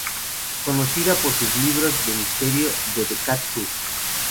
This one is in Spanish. Conocida por su libros de misterio de ""The Cat Who..."".